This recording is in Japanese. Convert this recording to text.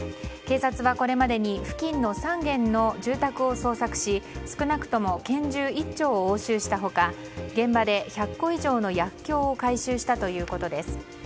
警察は、これまでに付近の３軒の住宅を捜索し少なくとも拳銃１丁を押収した他現場で１００個以上の薬莢を回収したということです。